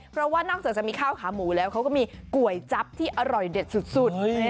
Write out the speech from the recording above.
เพราะว่านอกจากจะมีข้าวขาหมูแล้วเขาก็มีก๋วยจั๊บที่อร่อยเด็ดสุด